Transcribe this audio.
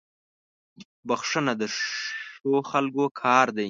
• بښنه د ښو خلکو کار دی.